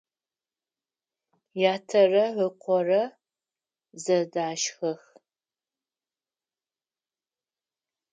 Ятэрэ ыкъорэ зэдэшхэх.